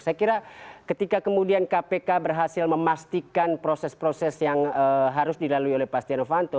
saya kira ketika kemudian kpk berhasil memastikan proses proses yang harus dilalui oleh pak stiano fanto